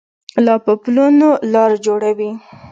په پلونو لار جوړوي